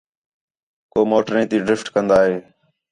کو موٹریں تی ڈرفٹ کندا ہِے